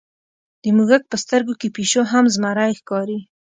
د موږک په سترګو کې پیشو هم زمری ښکاري.